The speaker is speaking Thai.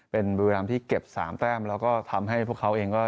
เป็นบูธีรัมที่เก็บ๓แต้มและทำให้พวกเขาเอง